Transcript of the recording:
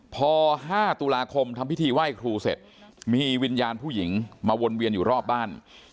พอ๕ตุลาคมทำพิธีไหว้ครูเสร็จมีวิญญาณผู้หญิงมาวนเวียนอยู่รอบบ้าน